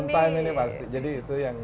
time ini pasti jadi itu yang